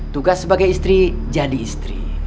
tugas sebagai istri jadi istri